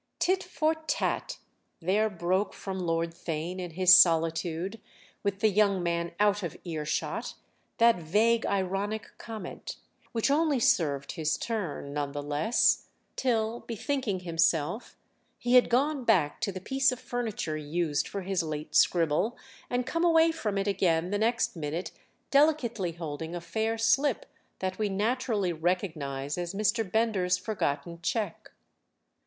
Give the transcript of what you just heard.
"Tit for tat!" There broke from Lord Theign, in his solitude, with the young man out of earshot, that vague ironic comment; which only served his turn, none the less, till, bethinking himself, he had gone back to the piece of furniture used for his late scribble and come away from it again the next minute delicately holding a fair slip that we naturally recognise as Mr. Bender's forgotten cheque.